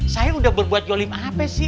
saya udah berbuat jolim apa sih